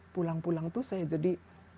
pulang pulang itu saya jadi